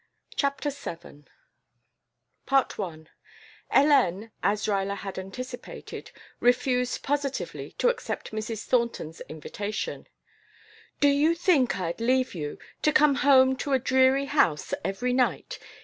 CHAPTER VII I Hélène, as Ruyler had anticipated, refused positively to accept Mrs. Thornton's invitation. "Do you think I'd leave you to come home to a dreary house every night?